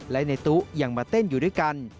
และในตู้ยังมาเต้นอยู่ด้วยกัน